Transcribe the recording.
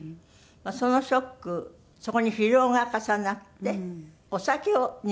そのショックそこに疲労が重なってお酒を逃げ道にした？